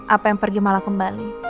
apa yang pergi malah kembali